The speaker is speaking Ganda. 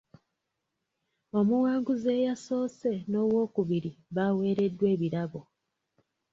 Omuwanguzi eyasoose n'owookubiri baaweereddwa ebirabo.